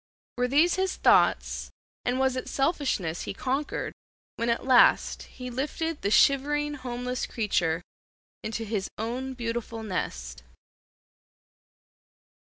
Were these his thoughts, and was it selfishness he conquered when at last he lifted the shivering homeless creature into his own beautiful nest?